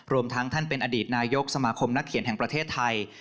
รวมทั้งท่านเป็นอดีตนายกสมาคมนักเขียนแห่งประเทศไทย